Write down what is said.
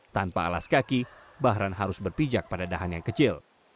tanpa alas kaki bahran harus berpijak pada dahan yang kecil